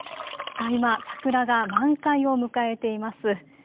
今、桜が満開を迎えています。